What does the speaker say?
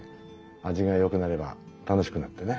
味がよくなれば楽しくなってね。